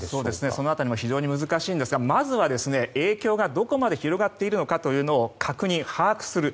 その辺りも非常に難しいですがまずは影響がどこまで広がっているか確認・把握する。